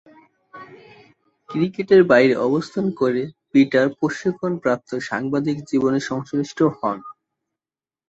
ক্রিকেটের বাইরে অবস্থান করে পিটার প্রশিক্ষণপ্রাপ্ত সাংবাদিক জীবনে সংশ্লিষ্ট হন।